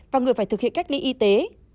và người phải thực hiện cách ly y tế